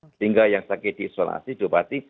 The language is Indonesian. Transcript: sehingga yang sakit diisolasi diobati